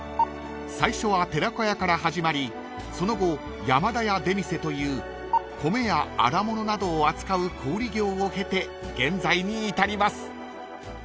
［最初は寺子屋から始まりその後山田屋出店という米や荒物などを扱う小売業を経て現在に至ります］